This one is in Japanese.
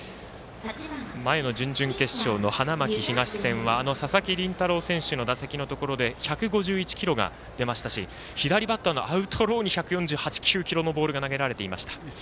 前の準々決勝の花巻東戦は佐々木麟太郎選手の打席のところで１５１キロが出ましたし左バッターのアウトローに１４８１４９キロのボールが投げられていました。